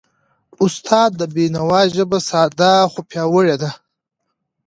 استاد د بینوا ژبه ساده، خو پیاوړی ده.